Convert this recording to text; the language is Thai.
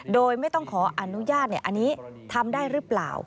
โดยไม่ต้องขออนุญาตอันนี้ทำได้หรือเปล่า